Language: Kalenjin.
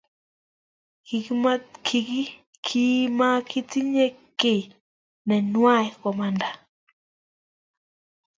Kimagitinye kiy nenwai, komanda